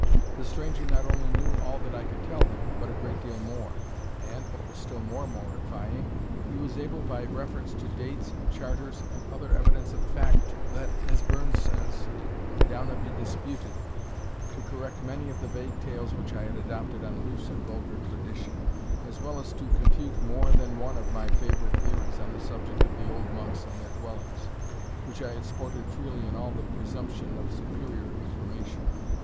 The stranger not only knew all that I could tell him, but a great deal more; and, what was still more mortifying, he was able, by reference to dates, charters, and other evidence of facts, that, as Burns says, "downa be disputed," to correct many of the vague tales which I had adopted on loose and vulgar tradition, as well as to confute more than one of my favourite theories on the subject of the old monks and their dwellings, which I had sported freely in all the presumption of superior information.